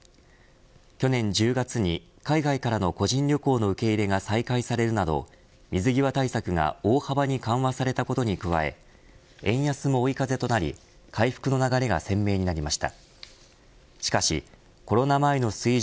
去年１０月に海外からの個人旅行の受け入れが再開されるなど水際対策が大幅に緩和されたことに加え円安も追い風となり回復の流れが鮮明になりました。